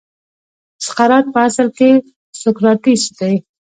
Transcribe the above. سقراط په اصل کې سوکراتیس دی.